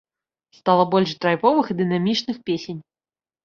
Стала больш драйвовых і дынамічных песень.